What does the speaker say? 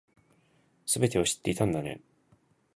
全てを知っていたんだね